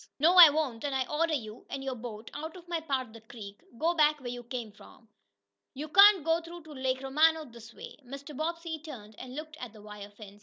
"No, I won't, and I order you, and your boat, out of my part of the creek. Go back where you come from. You can't go through to Lake Romano this way!" Mr. Bobbsey turned and looked at the wire fence.